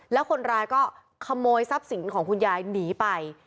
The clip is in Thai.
แล้วคนร้ายก็ขโมยทรัพย์สินของคุณยายหนีไป